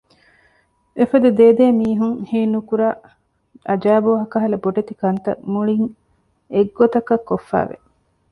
އެފަދަ ދޭދޭ މީހުން ހީނުކުރާ އަޖައިބު ވާކަހަލަ ބޮޑެތި ކަންތައް މުޅިން އެއްގޮތަކަށް ކޮށްފައިވެ